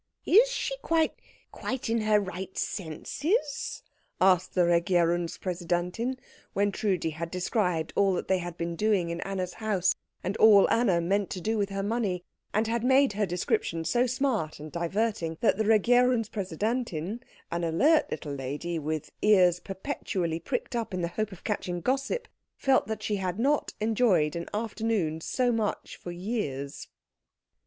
"Is she quite quite in her right senses?" asked the Regierungspräsidentin, when Trudi had described all they had been doing in Anna's house, and all Anna meant to do with her money, and had made her description so smart and diverting that the Regierungspräsidentin, an alert little lady, with ears perpetually pricked up in the hope of catching gossip, felt that she had not enjoyed an afternoon so much for years.